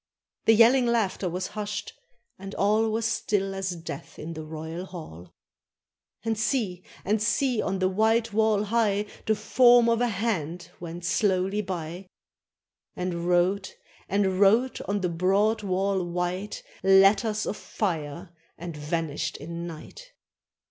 The yelling laughter was hushed, and all Was still as death in the royal hall. And see ! and see ! on the white wall high The form of a hand went slowly by. And wrote, — and wrote, on the broad wall white, Letters of fire, and vanished in night.